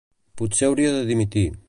Potser hauria de dimitir.